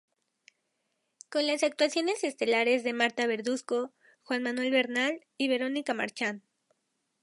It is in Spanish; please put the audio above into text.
Con las actuaciones estelares de Marta Verduzco, Juan Manuel Bernal y Verónica Merchant.